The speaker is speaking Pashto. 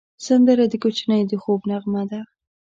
سندره د کوچنیو د خوب نغمه ده